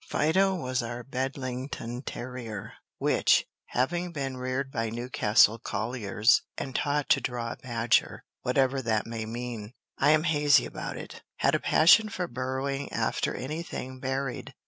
Fido was our Bedlington terrier, which, having been reared by Newcastle colliers, and taught to draw a badger, whatever that may mean, I am hazy about it, had a passion for burrowing after any thing buried.